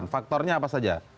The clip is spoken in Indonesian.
faktornya apa saja